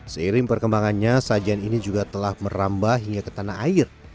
seiring perkembangannya sajian ini juga telah merambah hingga ke tanah air